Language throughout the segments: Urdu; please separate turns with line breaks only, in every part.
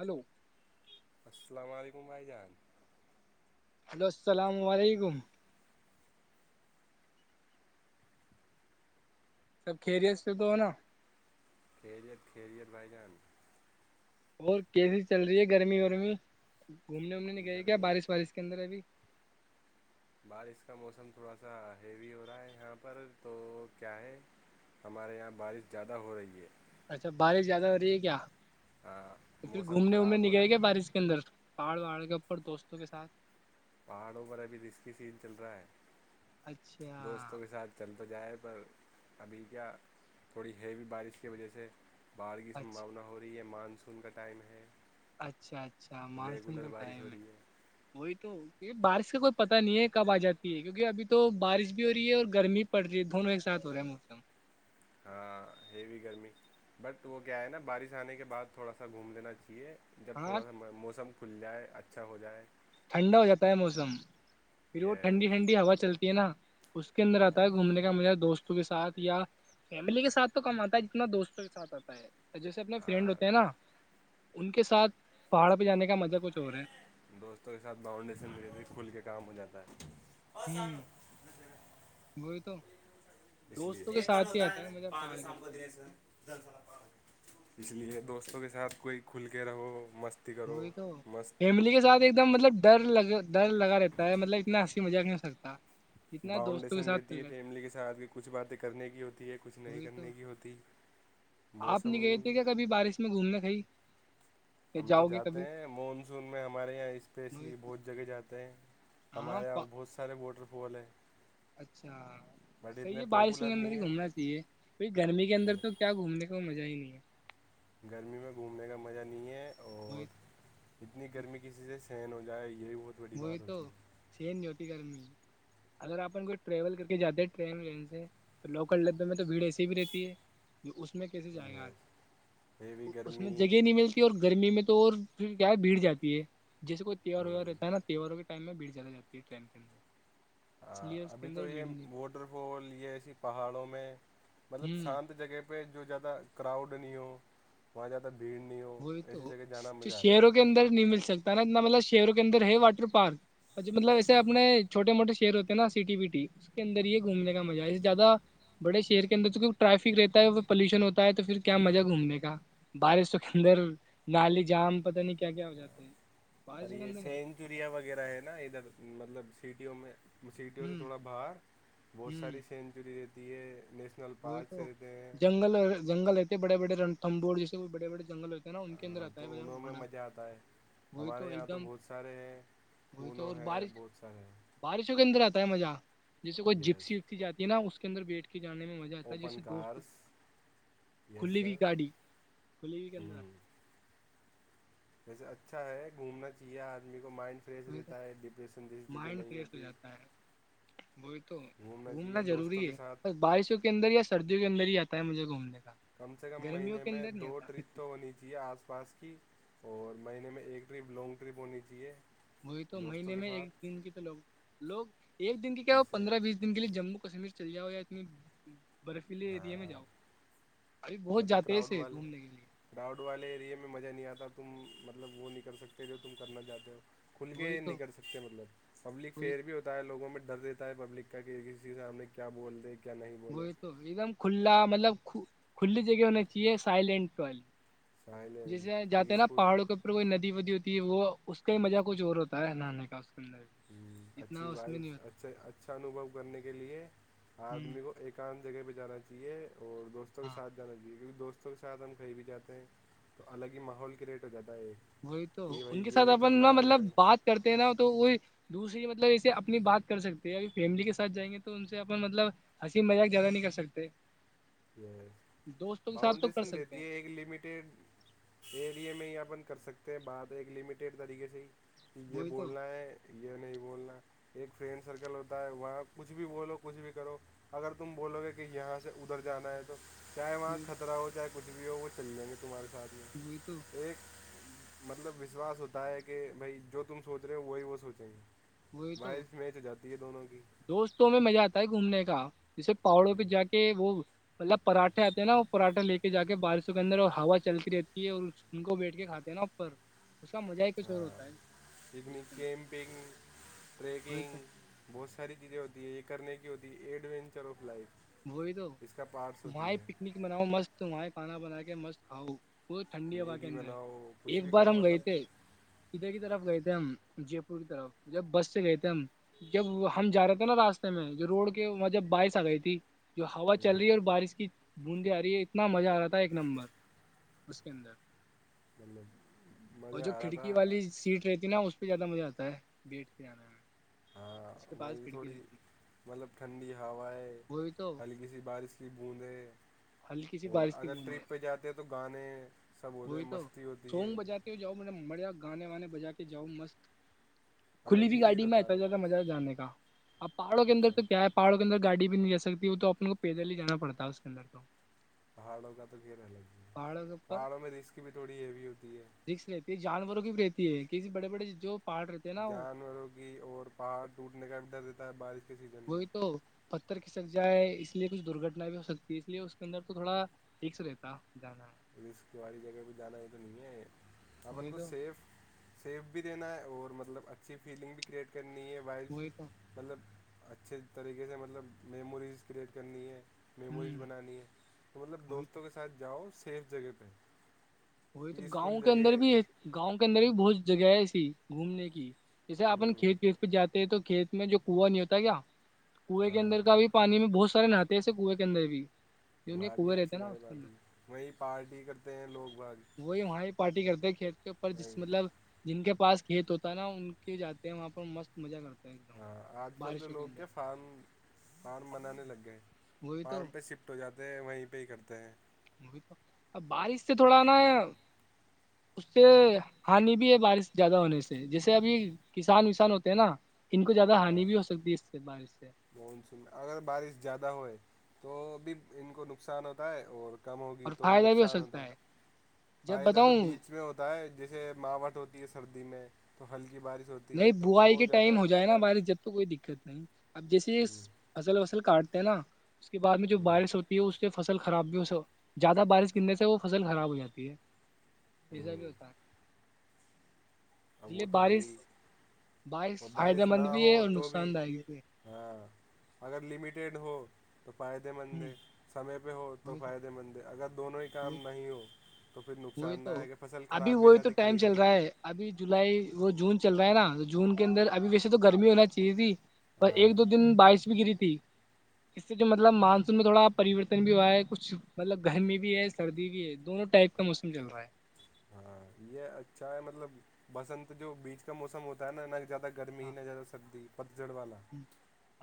ہلو
السلام علیک کمائی جان
ہلو سلام علیکم سب خریت سے تو ہو نا
خیریت خیریت بائی جان
اور کیزی چل رہی ہے گرمی ورمی گھومنے اومنے گئے کیا
گرمی
بارش وارش کے اندر ابھی
بارش کا موسم تھوڑا سا ہیوی ہو رہا ہے یہاں پر تو کیا ہے ہمارے یہاں بارش زیادہ ہو رہی ہے
اچھا بارش زیادہ ہو رہی ہے کیا
ہاں
تو پھر
موسم
گھومنے وومنے
خراب ہو
نکلے
رہا
گ
ہے
بارش کے اندر پہاڑ وہاڑ کےپڑ دوستوں کے ساتھ
پہاڑوں پر ابھی رسکی سین چل رہا ہے
اچھا
دوستوں کے ساتھ چل تو جائے پر ابھی کیا تھوڑی ہیوی بارش کی وجہ سے باڑ کی
اچھا
سمباونا ہو رہی ہے مان سون کا ٹائم ہے
اچھا اچھا مانسون
ریگولر
کا
بارش ہو
ٹائم ہے
رہی
وہی تو یہ بارش کا کوئی پتاہ نہیں ہے کب آ جاتی ہے کیونکہ ابھی تو بارش بھی ہو رہی ہے اور گرمی پڑ رہی ہے دونوں ایک ساتھ ہو رہا ہے موسم
ہاں ہیوی گرمی بٹ وہ کیا ہے نا بارش آنے کے بعد تھوڑا سا گھوم دینا چاہیے جب
ہاں
تھوڑا سا موسم کھل جائے اچھا ہو جائے
ٹھنڈا ہو جاتا ہے موسم پھر وہ
یہ
ٹھنڈی ٹھنڈی ہوا چلتی ہے نا اس کے اندر آتا ہے گھومنے کا میرا دوست دوست کے ساتھ یا فیملی کے ساتھ تو کم آتا ہے جتنا دوستوں کے ساتھ آتا ہے جیسے اپنے فرینڈ ہوتے ہیں نا ان کے ساتھ پہاڑ پہ جانے کا مزہ کچھ اور ہے
دوستوں کے ساتھ باؤنڈیشن م کھل کے کام ہو جاتا ہے اور
ہوں
سانو
وہئی تو
اس لیے
دوستوں کے
ایک کن
ساتھ ہی
ہوتا
آتا
ہے نا
مجھے
پا
پہاڑ کے
شام کو
اوپر
دینے سے اس لیے دوستوں کے ساتھ کوئی کھل کے رہو مستی کرو
وہی تو
مست
فیملی کے ساتھ ایک دم مطلب در لگ در لگا رہتا ہے مطلب اتنا ہنسی مزق نہیں ہو سکتا جتنا دوستوں کے
باؤنڈیشن
ساتھ کر
رہتی ہے
لیتے
فیملی کے ساتھ کہ کچھ باتیں کرنے کی ہوتی ہے کچھ نہیں
وہی تو
کرنے کی ہوتی
آپ نہیں گئے
موسم
تھے کیا کبھی بارش میں گھومنے کی
ہم تو جاتے ہیں مانسون میں ہمارے یہاں
وہی
اسپیشلی
تو
بہت جگہ جاتے ہیں
ہاں
ہمارے یہاں بہت سارے ووٹر بولے
اچھا صحی یہ بارشوں
پاپولر
کے اندر
نہیں
ہی
ہے
گھومنا چاہیے بئی گرمی کے اندر
یہ
تو کیا گھومنے کا مزہ ہی نہیں ہے
گرمی میں گھومنے کا مزہ نہیں ہے
وہی
اور اتنی گرمی کی چیزیں سے سین ہو جائے یہ بھی بہت بڑی
وہی
بات
تو
ہوتی
سین نہیں ہوتی گھر میں اگر آپن کوئی ٹریول کر کے جاتے ہیں ٹرین ون سے تو لوکل ڈبے میں تو بھیڑ ایسی بھی رہتی ہے اس میں کیسے
ہے
جائے گا آ
یس ہیوی
اس میں
گرمی
جگہ نہیں ملتی اور گرمی میں تو تو اور پھر کیا ہے بھیڑ جاتی ہے جیسے کوئی تیوار ویوار نا تہواروں کے ٹائم بھیڑ جاتی ہے ٹرین کے اندر اس
ہاں
لیے اس کے
ابھی
اندر
تو یہ
بھیڑ نہیں
واٹر فال یہ ایسی پہاڑوں میں مطلب
ہوں
شانت جگہ پہ جو جیادہ کراؤڈ نہیں ہو وہاں جیااتدہ
وہی تو
ہے
شہروں کے اندر نہیں مل سکتا نا اتنا مطلب شہروں کے اندر ہے واٹر پارک مطلب ایسے اپنے چھوٹے موٹے شہر ہوتے نا سٹی وٹی اس کے اندر یہ ہے گھومنے کا مزہ ہے زیادہ بڑے شہر کے اندر تو ٹریفک رہتا ہے پلیوشن ہوتا ہے تو پھر کیا مزہ گھومنے کا بارش و اندر نالی جام پتہ نہیں کیا کیا ہو جاتے ہیں
اور
بارشوں کے
یہ
اندر نہیں آتا
سینچوریا وغیرہ ہے نا ادھر مطلب سیٹییوں میں سیٹیوں سے
ہوں
تھوڑا باہر بہت ساری سینچریی دی
وہ تو جنگل جنگل ہے بڑے بڑے رنم بور جیسے بے بڑے جنگل ہوتا نا ان کے اندر
ہاں
آتا
تو
ہے
انہوں میں مزہ آتا ہے
وہ تو
ہمارے یہاں
ایک دم
بہت سارے ہیں
وہ
کونو
تو
ہے
بارش
بہت سارے ہیں
بارشوں کے اندر آتا ست ہے مزہ جیس کوئی
یس
جپسی وپسی جاتی ہےا اس اندر بٹ کی جان میں جاتا جیسے
اوپن
دوستوں
کارس یس
کھلی ہوئی
سر
گاڑی کھلی ہوئی کےدر
ہوں ویسے اچھا ہے گھومنا چاہیے آدمی کو مائنڈ فریش رہتا ہے ڈپریشن جیسی چیزیں
مائنڈ
نہیں
فریش ہو
ہوتی
جاتا ہے وہی تو گھومنا
چاہیے
ضروری
دوستوں کے
ہے
ساتھ
ب بارشوں کے اندر یا سردی کے اندر ہی آتا ہے مجھ گھومنے کا
کم سے کم
گرمیوں
مہینے
کے
میں
اندر نہیں
دو ٹرپ
آتا
تو ہونی چاہیے آس پاس کی اور مہینے میں ایک ٹرپ لانگ ٹرپ ہونی چاہیے
وہی تو
دوستوں
مہینے
کے
میں ایک
ساتھ
دن کی تو لوگ لوگ ایک دن کی کیا ہو
جس سے
پندرہ بیس دن کے لیے جم کو کشمیر چل جاؤ یا اتنی برفیلیے ایریا میں
ہاں
جاؤ ابھی بہت
زیادہ
جاتے ہیں
کراؤڈ
تھے
والے
گھومنے کے لیے
کراؤڈ والے ایریے میں مزہ نہیں آتا تم مطلب وہ نہیں کر سکتے جو تم کرنا چاہتے ہو کھل
وہی
کے نہیں
تو
کر سکتے مطلب پبلک
وہی
فیئر بھی ہوتا ہے لوگوں میں ڈر دیتا ہے پبلک کا کہ کسی سامنے کیا بول دے کیا نہیں
وہ
بولے
یہ تو ایک دم کھلا مطلب سھو کھلی جگہ ہونا چاہیے سائلینٹ کو جیسے
سائلینٹ
جاتے نا
پیسفل
پہاڑوں کے اوپر کوئی ندی ودی ہوتی وہ اس کا ہی مزہ کچھ اور ہوتا ہے نہانے کا اندر
ہ
اتنا
اچھی
اس میں نہیں
وائف
ہوتا
اچھا اچھا انوبو کرنے کے لیے
ہ
آدمی کو ایکانت جگہ پہ جانا چاہیے اور دوستوں کے
ہاں
سھ جانا چاہیے کیکہ دوست کے سادھن خری بھی جاتے ہیں تو الگ ہی ماحول کے ریٹ ہو جاتی
وہی تو ان کے ساتھ اپ نا
ہے یہ
مطلب
کرنا
بات کرتے ہیں نا تو وہی دوسری مطلب اسسے اپنی بات کر سکتے ہے ا فیملی کے ساتھ جائیں گے تو ان سے اپ مطلب ہنسی مذاق زیادہ نہیں کر سکتے دوستوں کے ساتھ تو کر
بؤنڈریشن
سکتے ہیں
دیتی ہے ایک لمٹیڈ ایریا میں ہین کر سکتے ہیں بات ایک لمیٹڈ طریقے سے ہی یہ
وہی تو
بولنا ہے یہ نہیں بولنا ایک فرینڈ سرکل ہوتا ہے وہاں کچھ بھی بولو کچھ بھی کرو اگر تم بولو گے کہ یہاں سے ا ادھر جانا ہے تو چاہے وہاں خطرہ ہو چاہے کچ بھی ہو وہ چلیں گے تمہارے ساری
وہی تو
ایک مطلب وشواس ہوتا ہے کہ بھائی جو تم سوچ رہے ہو وہی وہ سوچیں گے
وہی تو
وائس میچ ہو جاتی ہے دونوں کی
دوستوں میں مزہ آتا ہے گھومنے کا اچھا جیسے پہاڑوں پہ جا کے وہ مطلب پراٹھے آتے ہیں نا وہ پراٹھے لے کے جا کے بارشوں کے اندر ہوا چلتی رہتی ہے اور ان کو بیٹھ کے کھات ہیں نا اوپر اس کا مزہ ہی کچھ اور ہوتا ہے
پکنک کیمپنگ
وہی تو
ٹریکنگ بہت ساری چیزیں ہوتی یہ کرنے کی ہوتی ایڈوینچر آف لائف
وہی تو
اس کا پارٹس ہوتی
وہاں
ہے
پکنک مناؤ مست وہ کھانا بنا کے مست کھاؤ وہت ٹھنڈی ہوا کے
میگی
اندر ہے
بناؤ کچھ
ایک
بھی
بار
کرو
ہم گئے
مطلب
تھے ادھر کی طرف گئے تھے ہم جے پور کی طرف جب بس سے گئے تھے ہم جب ہم جا رہے تھے نا راستے میں روڈ کے وہاں جب بائس آ گئی تھی جو ہوا چل رہی ہے اور بارش کی بوندی آ رہی ہے اتنا مزہ آ رہا تھا ایک نمبر اس کے اندر
الل
اور جو کھڑکی والی سیٹ رہتی نا اس زیادہ مزہ آتا ہے بیٹھ کے جانے میں
ہاں
اس کے پاس
وہیں
کھڑکی
تھوڑی
رہتی
مطلب ٹھنڈی ہوا ہے
وہ بھی تو
ہلکی سی بارش کی بوند ہے
ہلکی سی بارش کی بند ہے
تو گانے سب ہوتے ہیں
وہئی تو
مستی ہوتی
سونگ
ہے
بجاتی ہو جؤ م نے مریا گانے وانے بجا کے جاؤ مست
الگ
کھلی
ہی
بھیئی
فیل
گاڑی میں
ہوتا ہے
اتنا
وہ
زیادہ مزہ جانے کا آ پہاڑ کے اندر
اچھا
تو کیا ہے پہاڑ کے انر گاڑی بھی نہیں جا سکتی وہ تو اپنے کو پیدل ہی جانا پڑتا ہے اس کے اندر تو
پہاڑوںو کا تو لگ
پہاڑوں کے اوپر
پہاڑوں میں رسک بھی تھوڑی ہیوی ہوتی ہے
رکس رہتی ہے جانوروں کی رتی ہے کسی بڑے بڑے جو پہاڑ رہتے ہیں نا وہ
جانوروں کی اور پہاڑ ٹوٹنے کا اندر ہے بارش کے سیزن میں
وہی تو ر کھسک جائے اس لیے کچھ درگٹنا بھی ہو سکتی ہے اس لیے اس کے اندر تو تھوڑا ٹھیک سے رہتا جانا ہے۔
رسق والی جگہ پہ جانا ہے تو نہیں ہے آپ
وہی
کو
تو
سف سف دینا ہے اور مطلب اچھی فیلنگ بھی کریئٹ کر نہیں ہے وائف
وہی تو
مطلب اچھے طریقے سے مطلب میموریز کریئٹ کرنی ہے میموریز
ہوں
بنانی ہے تو مطلب
وہی تو
دوستوں کے ساتھ جاؤ سیف جگہ پہ
وہی تو گاؤں
پیسفل
کے اندر
جگہ
بھی ہے گاؤں کے اندر بھی بہج جگہ ای سسی گھومنے کی جیسے اپن
ہوں
کھیت پیت پہ جاتے ہیں تو کھیت میں جو کنو نہیں ہوتا کیا کنویں کے
ہاں
اندر کا بھی پانی میں بہت سارے نہاتے سے کنویں کے اندر بھی جو ان کے
ہماری
کنویں رہتے
اچھی
ہیں نا
بائی
اس کے اندر
باتی وہی پارٹی کرتے ہیں لوگ بت
وہی وہاں ہی پارٹی کرتے کھیت کے اوپر جس
وہیں
مطلب جن کے پاس یہ تو ہوتا نا ان کے جاتے ہیں وہاں پر مست مزہ کرتے ہیں ایک دم
ہاں آج کل تو
بارشوں کے
لوگ
اندر
کیا فارم فارم بنانے لگ گئے
وہی
فارم
تو
پہ شفٹ ہو جاتا تے وہیں پہ ہی کرتے ہیں
تو ا بارش سے تھوڑا نا اس سے ہانی بھی ہے بارش زیادہ ہونے سے جیسے ابھی کسان وسان ہوتے ہیں نا ان کو زیادہ ہانی بھی ہو سکتی اس سے بارش سے
منس اگر بارش زیادہ ہوئے تو بھی ان کو نقصان ہوتا ہے اور کم ہوگی
اور
تو بھی
فائدہ ہو
نقصان
سکتا
ہوتا ہے
جب
فائدہ تو
بتاؤں
بیچ میں ہوتا ہے جیسے ماوٹ ہوتی ہے سردی میں تو ہلدی
نہیں بوائی کے ٹائم ہو جائے نا بارش جب تو کوئی دقت [unintelligible] اب جیسے
ہوں
فصل وصل کاٹتے نا اس کے بع میں جو
ہوں
بارش ہوتی ہے اس فصل خراب بھی ہو زیادہ بارش گرنے سے وہ فصل خراب ہو جاتی ہے پیزا بھی
ہوں
ہوتا
وہ تو ہے ہی
بائی
اور
فائدہ
بارش
مند
نہ
بھی ہے
ہو
اور
تو
نقصان دائک ہے بھی
ہاں اگر لمیٹیڈ ہو تو فائدے مند ہے سمے پہ ہو تو
ہے
فائدے مند ہے اگر دونوں ہی کام نہیں ہو تو پھر
وہی
نقصان دہ
تو
ہے کہ فصل
ابھی
خراب بھی ہو
وہی تو
جاتی
ٹائم
کھڑی
چل
فصل
رہا ہے ابھی جولائی وہ جون چل رہا ہے نا تو جون کے اندر ابھی ویسے تو گرمی ہونا چاہیے تھی
ہاں
ایک دو دن بارش بھی گری تھی اس سے جو مطلب مانسون میں تھوڑا پریورتن بھی ہوا ہے کچھ مطلب گرمی بھی ہے سردی بھی ہے دونوں ٹائپ کا موسم چل رہا ہے
ہاں یہ اچھا ہے مطلب بسنت جو بیچ کا موسم ہوتا ہے نا ن زیاہ گرمی
ہاں
نہ زیادہ سردی ڑ والا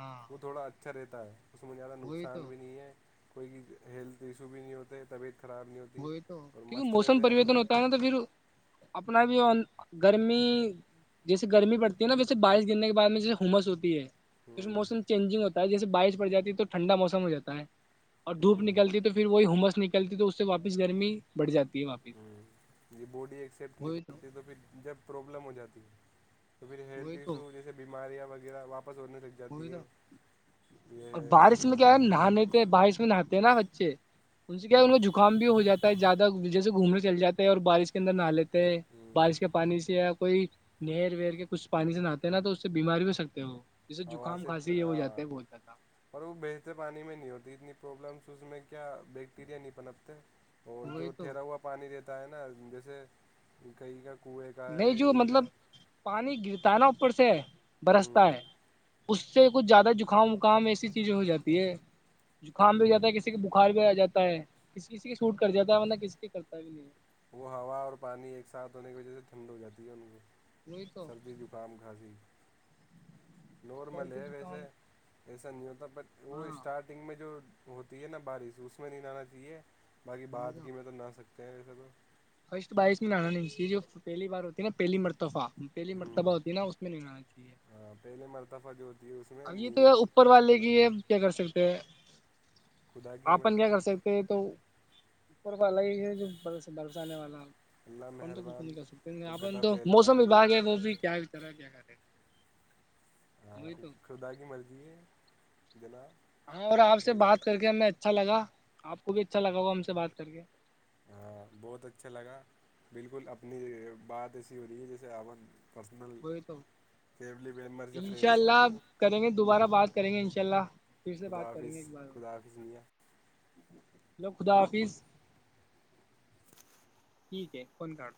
ہاں
وہ تھوڑا اچھا اچھا رہتا ہے اس میں زیادہ
وہی
نقصان
تو
بھی نہیں ہے کوئی ہیلتھ ایشو بھی نہیں ہوتا ہے طبیعت خراب نہیں ہوتی
وہی تو
اور
کیونکہ
مست
موسم
رہتے ہیں اپنے
پرریورتن
میں
ہوتا ہے نا تو پھر اپنا بھی گرمی جیسے گرمی پڑتی ہے نا ویسے بارش گننے کے بعد میں جیسے ہومس ہوتی ہے ج
ہوں
موسم چینجنگ ہوتا جیے بارش پڑ جاتی توٹھنڈا موسم ہو جا ہے اور دھوپ
ہوں
نکلتی تو پھر وہی ہممس نکل کلتی تو [unintelligible] سے واپس گرمی بڑھ جاتی ہے واپس
ہ یہ باڈی ایکسپٹ نہیں کرتی تو پھر جب پروابلم ہو جاتی تو پھر ہیلتھ ایشو جیے بیماریاںہ جاپ
تھا
یہ
اور
ہے
بارش میں
تو
کیا ہے نہانےتے بارش میں نہاتے ہیں نا بچے ان سے کیا ہے ان جکام بھی ہو جاتا ہے زیادہ وجہ سے گھومنے چل جاتے ہیں اور بارش کے اندر نہ لیتے بارش کے پانی سے کوئی نہر ور کے کچھ پانی سے نہتے نا تو اس سے بیمار بھی ہو سکتے ہیں وہ
ہاں سے پر وہ بیجتے پانی میں نہیں ہوتی اتنی پرابلمس اس میں کیا بیکٹیریا نہیں پنپتے اور
وہی
جو
تو
ٹھہرا ہوا پانی رہتا ہے نا جیسے کہیں کا کنویں کا
نہیں
ہے
جو
ان کا
مطلب پانی گرتا ہے نا پڑ سے برستا ہے اس سے کچھ زیادہ زکام وکام ایسی چیزیں ہو جاتی ہے زکام بھی جاتا ہے کسی کے بخار بھی آ جاتا ہے تا ہے کسی کسی کے سوٹ کر جاتا ہے
ہاں
ورنہ کسی کے کرتا بھی نہیں ہے
وہ ہوا اور پانی ایک ساتھ ہونے کی وجہ سے ٹھنڈ ہو جاتی ہے ان کو
وہی تو
سردی زکام کھاسیی نارمل
سردی
ہے
زکام
ویسے سیت بٹ وہ
ہاں
اسٹارٹنگ میں جو ہوتی ہے نا بارش اس میں نہیں لنا چاہیے باقی بع کی میں تو نہ سکتا کہ سب
فرسٹ بائیس میں نانا نہیں اس کی جو پہلی بار ہوتی ہے نا پہلی مرتفہ پہلی
ہوں
مرتبہ ہوتی نا اس میں نہیں رہنا چاہیے
سفہ جو ہے اس میں
اب یہ تو ہے
نہیں
اوپر والے
کرنا
کی
چاہیے
کیا کر سکتے ہیں
خدا کی
آن
مرضی
کیا کر سکتے ہیں تو پر پا لگ ہے جو برسانے والا
اللہ
اپن تو کچھ نہیں
مہربان
کر سکتے اپن
گدا
تو
پہلوان
موسم وباگ ہے وہ بھی کیا طرح کیا کرے وہئی تو
شدا کی مرضی ہے جناب
ہاں اور آپ سے بات
ایک
کر کے ہم اچھا لگا آپ کو بھی اچھا لگا ہوا ہم سے بات کر کے
ہاں بہت اچھا لگا بالکل اپنی بات ایسی ہو رہی ہے جیسے آون
وہی تو
ممبرس یا
انشاء
فرینڈس ہیں
اللہ کریں گے دوبارہ بات کریں گے ان شاء اللہ پھر سے
خدا
بات کریں
حافظ خدافظ میا
ہیلو خدا آفس ٹھیک ہے فن کا